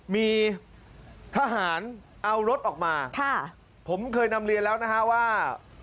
มีทหารเอารถออกมาค่ะผมเคยนำเรียนแล้วนะฮะว่า